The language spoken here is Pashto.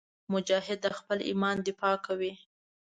مجاهد د خپل ایمان دفاع کوي.